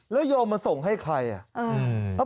แล้วยงมาส่งให้ใคร